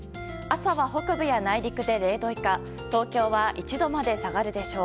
朝は、北部や内陸で０度以下東京は１度まで下がるでしょう。